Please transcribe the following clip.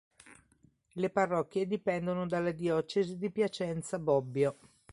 Le parrocchie dipendono dalla diocesi di Piacenza-Bobbio.